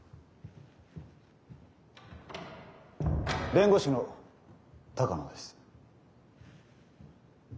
弁護士の鷹野です。